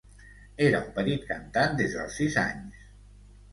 Era un petit cantant des dels sis anys.